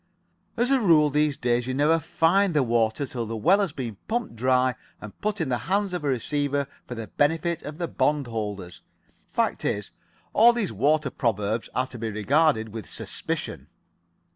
As a rule, these days, you never find the water till the well has been pumped dry and put in the hands of a receiver for the benefit of the bond holders. Fact is, all these water proverbs are to be regarded with suspicion."